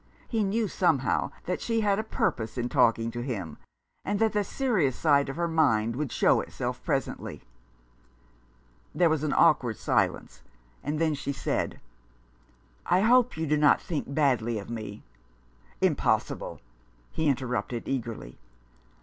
He knew somehow that she had a purpose in talking to him, and that the serious side of her mind would show itself presently. There was an awkward silence, and then she said —" I hope you do not think badly of me "" Impossible !" he interrupted eagerly.